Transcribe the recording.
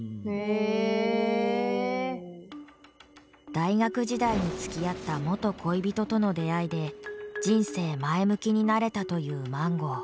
大学時代につきあった元恋人との出会いで人生前向きになれたというマンゴー。